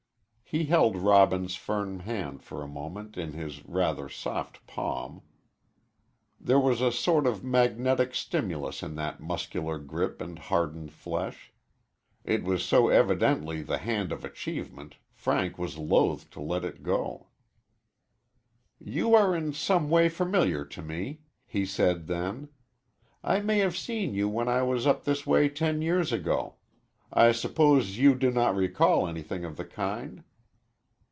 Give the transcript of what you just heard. He held Robin's firm hand for a moment in his rather soft palm. There was a sort of magnetic stimulus in that muscular grip and hardened flesh. It was so evidently the hand of achievement, Frank was loath to let it go. "You are in some way familiar to me," he said then. "I may have seen you when I was up this way ten years ago. I suppose you do not recall anything of the kind?"